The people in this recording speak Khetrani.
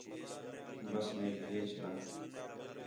بس میک ہیچ لہہ